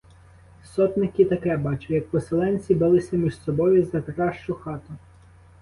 Сотник і таке бачив — як поселенці билися між собою за кращу хату.